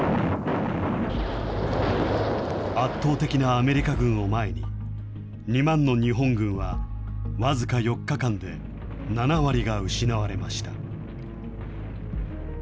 圧倒的なアメリカ軍を前に、２万の日本軍は僅か４日間で７割が失われました。